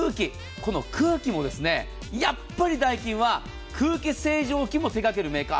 この空気もやっぱりダイキンは空気清浄機も手掛けるメーカー。